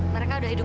terima kasih pak